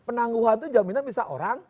penangguhan itu jaminan bisa orang